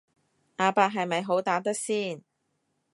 阿伯係咪好打得先